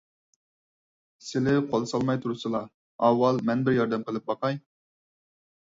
سىلى قول سالماي تۇرسىلا، ئاۋۋال مەن بىر ياردەم قىلىپ باقاي.